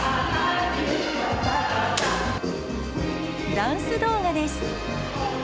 ダンス動画です。